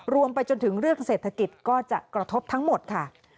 ไปจนถึงเรื่องเศรษฐกิจก็จะกระทบทั้งหมดค่ะ